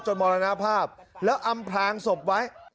จนหมรณภาพและอำพลางศพไว้